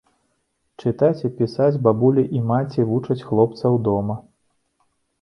Чытаць і пісаць бабуля і маці вучаць хлопцаў дома.